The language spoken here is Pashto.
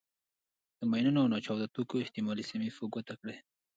د ماینونو او ناچاودو توکو احتمالي سیمې په ګوته کړئ.